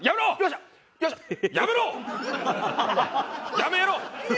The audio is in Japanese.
やめろ！